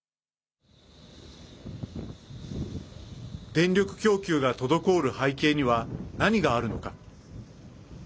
電力供給が滞る背景には何があるのか。